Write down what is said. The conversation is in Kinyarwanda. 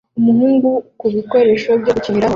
Umuhungu ku bikoresho byo gukiniraho